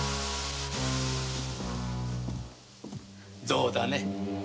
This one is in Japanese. どうだね？